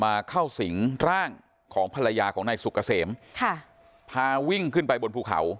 เข้าสิงร่างของภรรยาของนายสุกเกษมค่ะพาวิ่งขึ้นไปบนภูเขา